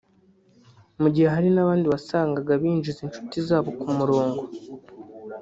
mu gihe hari n’abandi wasangaga binjiza inshuti zabo ku murongo